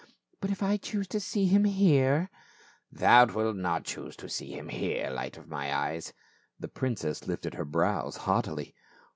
" But if I choose to see him here ?"Thou wilt not choose to see him here, light of my eyes." The princess lifted her brows haughtily.